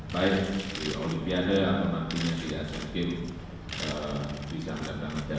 baik di olimpiade atau nantinya di aset game bisa mendatangkan jalan